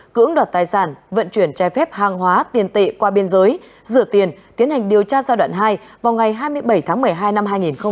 cưỡng đoạt tài sản vận chuyển trái phép hàng hóa tiền tệ qua biên giới rửa tiền tiến hành điều tra giai đoạn hai vào ngày hai mươi bảy tháng một mươi hai năm hai nghìn hai mươi ba